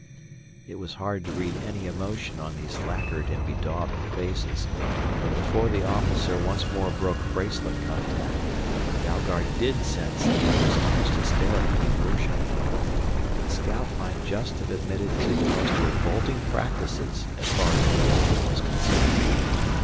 It was hard to read any emotion on these lacquered and bedaubed faces, but before the officer once more broke bracelet contact, Dalgard did sense the other's almost hysterical aversion. The scout might just have admitted to the most revolting practices as far as the alien was concerned.